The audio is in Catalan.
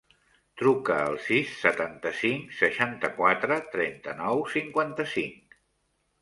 Truca al sis, setanta-cinc, seixanta-quatre, trenta-nou, cinquanta-cinc.